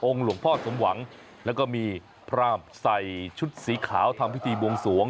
หลวงพ่อสมหวังแล้วก็มีพรามใส่ชุดสีขาวทำพิธีบวงสวง